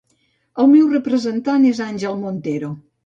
El meu representant és Angel Montero.